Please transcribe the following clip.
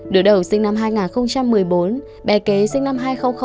đứa đầu sinh năm hai nghìn một mươi bốn bé kế sinh năm hai nghìn bảy